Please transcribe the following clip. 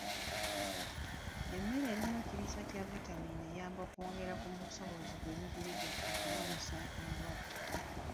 Emmere erimu ekiriisa kya vitamiini eyamba okwongera ku busobozi bw'emibiri gyaffe okulwanyisa endwadde.